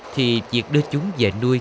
thì việc đưa chúng về nuôi